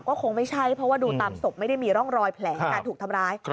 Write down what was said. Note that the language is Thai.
ก็คงไม่ใช่เพราะว่าดูตามศพไม่ได้มีร่องรอยแผลการถูกทำร้าย